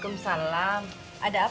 kau tengok ini udah kaya apa